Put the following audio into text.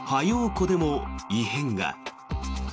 湖でも異変が。